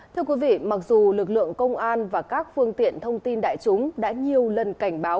thưa quý vị mặc dù lực lượng công an và các phương tiện thông tin đại chúng đã nhiều lần cảnh báo